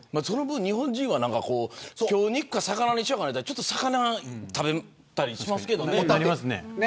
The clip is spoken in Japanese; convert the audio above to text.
日本人は、今日肉か魚にしようかなとなったら魚を食べたりしますけどね。